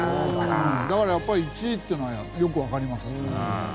だからやっぱり１位というのはよく分かります。